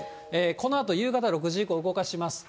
このあと夕方６時以降、動かしますと。